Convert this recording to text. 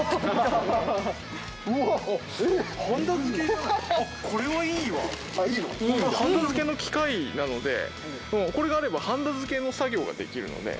ハンダづけの機械なのでこれがあればハンダづけの作業ができるので。